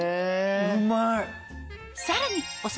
うまい！